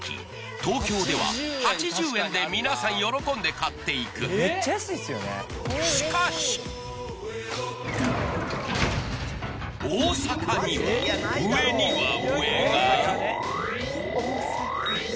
東京では８０円で皆さん喜んで買っていく大阪には上には上がえ！？え！？